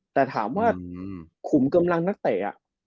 แต่ถามว่าขุมเกร็มรังนักแต่